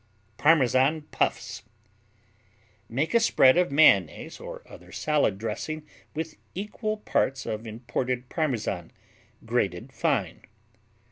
Parmesan Puffs Make a spread of mayonnaise or other salad dressing with equal parts of imported Parmesan, grated fine.